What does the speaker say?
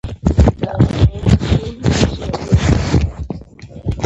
ایا غوږونه مو کڼ شوي دي؟